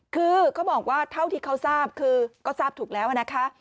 คือเขาบอกว่าเท่าที่เขาทราบคือก็ทราบถูกแล้วนะคะ